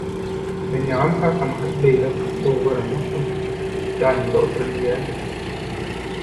Men ýaňam kakamy beýle gowy göremokdym – ýanymda otur diýýädi